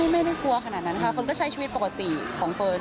ไม่ได้กลัวขนาดนั้นค่ะเฟิร์นก็ใช้ชีวิตปกติของเฟิร์น